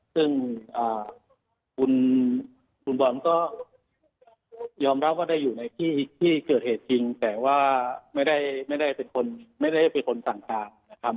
ซึ่งคุณบอลก็ยอมรับว่าได้อยู่ในที่เสร็จแต่ไม่ได้เป็นคนสั่งการ